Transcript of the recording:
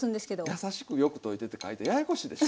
「優しくよく溶いて」って書いてややこしいでしょ。